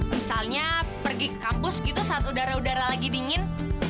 misalnya pergi ke kampus gitu saat udara udara lagi dingin